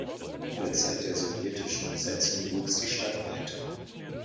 In der Zeit der sowjetischen Besetzung wuchs die Stadt weiter.